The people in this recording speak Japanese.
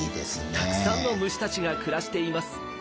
たくさんの虫たちが暮らしています。